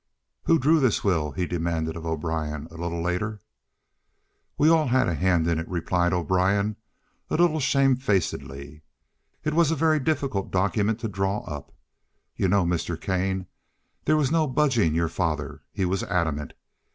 "Who drew this will?" he demanded of O'Brien, a little later. "Well, we all had a hand in it," replied O'Brien, a little shamefacedly. "It was a very difficult document to draw up. You know, Mr. Kane, there was no budging your father. He was adamant.